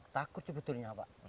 takut sebetulnya pak